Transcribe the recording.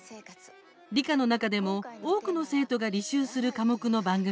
理科の中でも、多くの生徒が履修する科目の番組です。